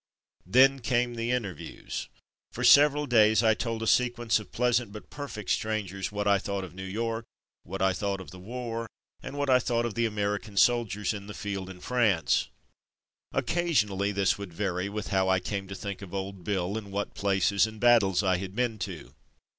Then came the interviews. For several days I told a sequence of pleasant but per fect strangers what I thought of New York, what I thought of the war, and what I thought of the American soldiers in the field in France. Occasionally this would vary with how I came to think of Old Bill, and what places and battles I had been to.